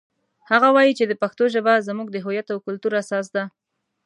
هغه وایي چې د پښتو ژبه زموږ د هویت او کلتور اساس ده